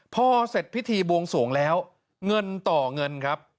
พอเสร็จพิธีบวงสวงแล้วเงินต่อเงินครับ